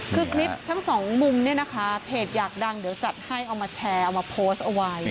คือคลิปทั้งสองมุมเนี่ยนะคะเพจอยากดังเดี๋ยวจัดให้เอามาแชร์เอามาโพสต์เอาไว้